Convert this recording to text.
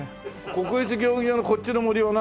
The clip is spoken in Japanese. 国立競技場のこっちの森はなんだっけ？